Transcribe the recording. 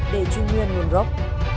để truy nguyên nguồn gốc